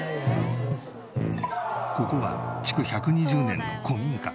ここは築１２０年の古民家。